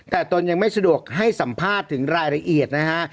แต่ตนยังไม่สะดวกให้สัมภาษณ์ถึงรายละเอียดนะฮะ